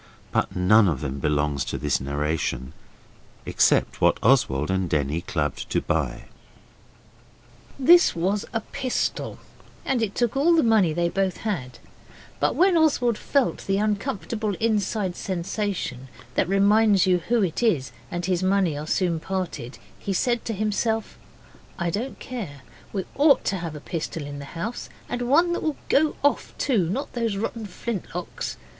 But none of them belongs to this narration, except what Oswald and Denny clubbed to buy. This was a pistol, and it took all the money they both had, but when Oswald felt the uncomfortable inside sensation that reminds you who it is and his money that are soon parted he said to himself 'I don't care. We ought to have a pistol in the house, and one that will go off, too not those rotten flintlocks.